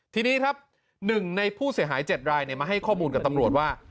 ทีนี้ครับหนึ่งในผู้เสียหายเจ็ดรายเนี่ยมาให้ข้อมูลกับตำรวจว่า